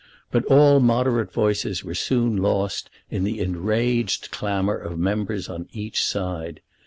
But all moderate voices were soon lost in the enraged clamour of members on each side.